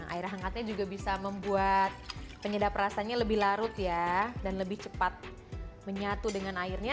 air hangatnya juga bisa membuat penyedap rasanya lebih larut ya dan lebih cepat menyatu dengan airnya